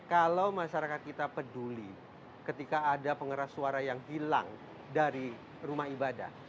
kalau masyarakat kita peduli ketika ada pengeras suara yang hilang dari rumah ibadah